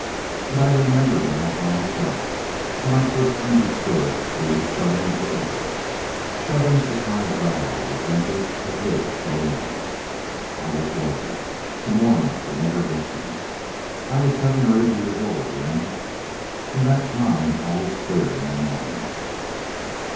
"But I remember now how I felt when I first understood we were shut in for ever. Shut in Surprise Valley where Venters had lived so long. I was glad. The Mormons would never get me. I was seven or eight years old then. From that time all is clear in my mind.